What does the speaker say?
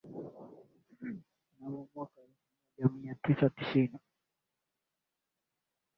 Mnamo mwaka wa elfu moja mia tisa sitini na sita